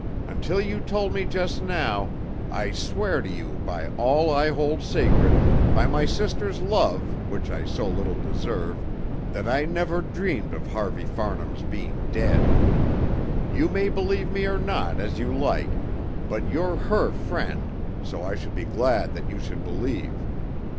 Until you told me just now I swear to you by all I hold sacred by my sister's love, which I so little deserve that I never dreamed of Harvey Farnham's being dead. You may believe me or not, as you like, but you're her friend, so I should be glad that you should believe.